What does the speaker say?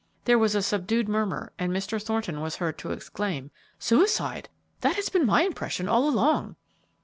There was a subdued murmur, and Mr. Thornton was heard to exclaim, "Suicide! That has been my impression all along."